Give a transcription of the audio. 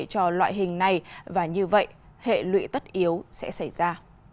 cho loại hình này và như vậy hệ lụy tất yếu sẽ xảy ra